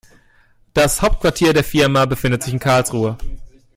Das Hauptquartier der Firma befindet sich in Karlsruhe